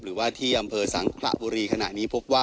หรือว่าที่อำเภอสังขระบุรีขณะนี้พบว่า